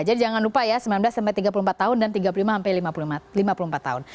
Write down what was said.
jadi jangan lupa ya sembilan belas hingga tiga puluh empat tahun dan tiga puluh lima hingga lima puluh empat tahun